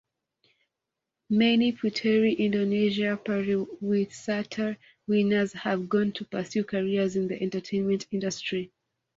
Many Puteri Indonesia Pariwisata winners have gone to pursue careers in the entertainment industry.